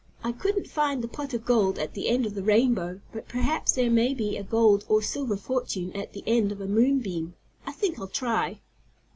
I couldn't find the pot of gold at the end of the rainbow, but perhaps there may be a gold, or silver fortune, at the end of a moon beam. I think I'll try."